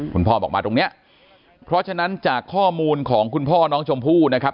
คุณพ่อบอกมาตรงเนี้ยเพราะฉะนั้นจากข้อมูลของคุณพ่อน้องชมพู่นะครับ